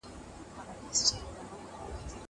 اور ته مي روان کي راته وخاندي